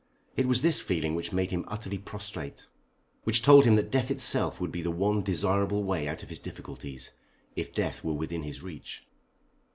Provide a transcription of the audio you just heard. It was this feeling which made him utterly prostrate, which told him that death itself would be the one desirable way out of his difficulties if death were within his reach.